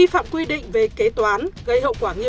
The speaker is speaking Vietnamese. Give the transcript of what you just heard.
họp kỳ thứ một mươi hai bất thường